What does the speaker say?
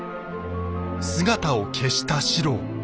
姿を消した四郎。